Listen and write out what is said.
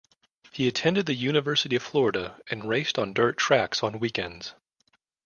He attended the University of Florida and raced on dirt tracks on weekends.